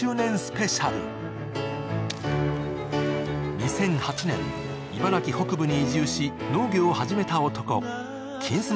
２００８年、茨城北部に移住し農業を始めた男、「金スマ」